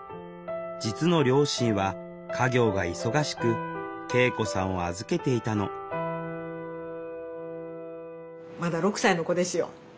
実の両親は家業が忙しく圭永子さんを預けていたのまだ６歳の子ですよ。